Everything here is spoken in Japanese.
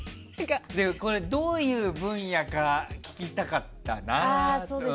これ、どういう分野か聞きたかったな。